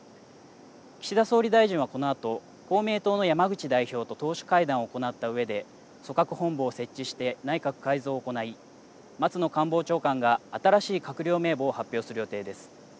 岸田総理大臣はこのあと公明党の山口代表と党首会談を行ったうえで組閣本部を設置して内閣改造を行い松野官房長官が新しい閣僚名簿を発表する予定です。